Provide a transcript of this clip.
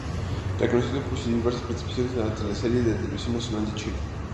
Reconocido por sus diversas participaciones en las teleseries de Televisión Nacional de Chile.